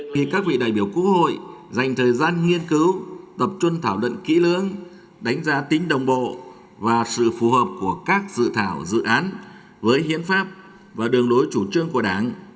vì các vị đại biểu quốc hội dành thời gian nghiên cứu tập trung thảo luận kỹ lưỡng đánh giá tính đồng bộ và sự phù hợp của các dự thảo dự án với hiến pháp và đường lối chủ trương của đảng